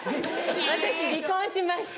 私離婚しました。